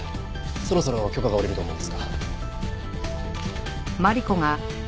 そろそろ許可が下りると思うんですが。